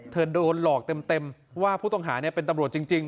โดนหลอกเต็มว่าผู้ต้องหาเป็นตำรวจจริง